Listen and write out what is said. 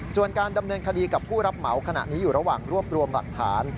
ส่วนการดำเนินคดีกับผู้รับเหมาขณะนี้อยู่ระหว่างรวบรวมหลักฐาน